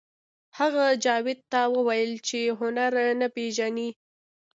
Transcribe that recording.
هغه جاوید ته وویل چې هنر نه پېژنئ